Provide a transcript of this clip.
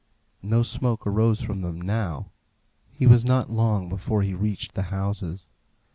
No smoke arose from them now. He was not long before he reached the houses.